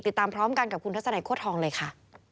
ติดตามพร้อมกันกับคุณทัศนัยโค้ทองเลยค่ะ